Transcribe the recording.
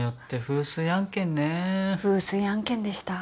風水案件でした。